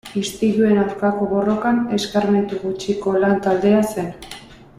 Istiluen aurkako borrokan eskarmentu gutxiko lan-taldea zen.